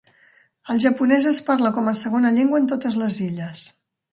El japonès es parla com a segona llengua en totes les illes.